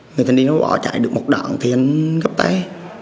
người thanh niên nó bỏ chạy được một đạn thì anh gấp tay